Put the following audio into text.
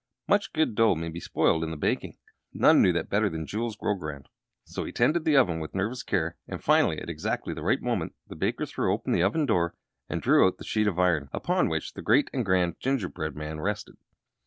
Much good dough may be spoiled in the baking. None knew that better than Jules Grogrande. So he tended the oven with nervous care, and finally, at exactly the right moment, the baker threw open the oven door and drew out the sheet of iron upon which the great and grand gingerbread man rested.